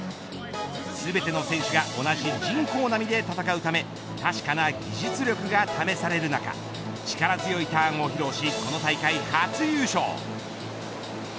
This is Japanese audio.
全ての選手が同じ人工波で戦うため確かな技術力が試される中力強いターンを披露しこの大会初優勝。